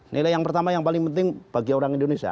nilai yang pertama yang paling penting bagi orang indonesia